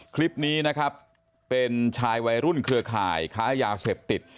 คลิปนี้นะครับเป็นชายวัยรุ่นเครือข่ายค้ายาเสพติด